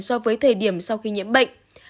so với thời điểm sau khi nhiễm bệnh